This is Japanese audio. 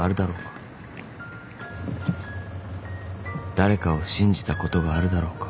［誰かを信じたことがあるだろうか］